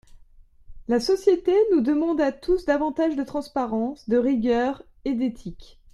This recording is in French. La société nous demande à tous davantage de transparence, de rigueur et d’éthique.